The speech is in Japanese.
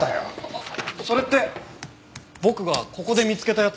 あっそれって僕がここで見つけたやつ？